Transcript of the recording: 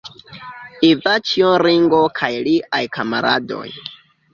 Ivaĉjo Ringo kaj liaj kamaradoj.